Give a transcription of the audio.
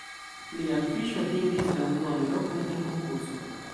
Lia afiŝo atingis la unuan lokon en konkurso.